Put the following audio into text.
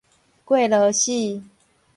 過勞死